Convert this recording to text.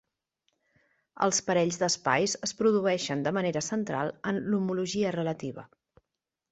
Els parells d'espais es produeixen de manera central en l'homologia relativa.